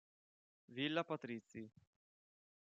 Villa Patrizi